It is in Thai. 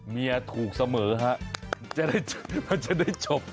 เมียถูกเสมอฮะจะได้จบ